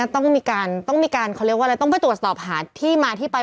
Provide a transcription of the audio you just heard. ต้องไปตรวจสอบหาที่มาที่ไป